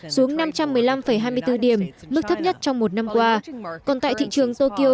xuống năm trăm một mươi năm hai mươi bốn điểm mức thấp nhất trong một năm qua còn tại thị trường tokyo